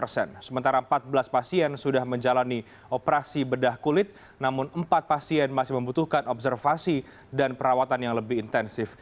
sementara empat belas pasien sudah menjalani operasi bedah kulit namun empat pasien masih membutuhkan observasi dan perawatan yang lebih intensif